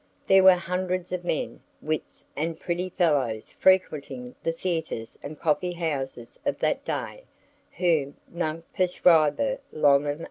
There were hundreds of men, wits, and pretty fellows frequenting the theatres and coffee houses of that day whom "nunc perscribere longum est."